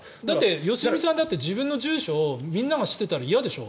良純さんだって自分の住所をみんなが知っていたら嫌でしょ？